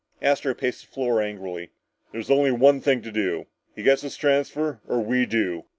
Astro paced the floor angrily. "There's only one thing to do! He gets his transfer or we do!